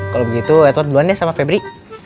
kalau begitu edward duluan deh sama febri